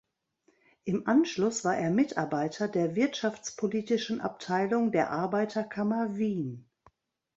Im Anschluss war er Mitarbeiter der wirtschaftspolitischen Abteilung der Arbeiterkammer Wien.